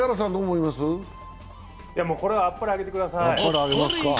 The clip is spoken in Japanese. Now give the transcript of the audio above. これは、あっぱれあげてください。